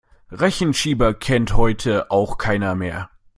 Rechenschieber kennt heute auch keiner mehr.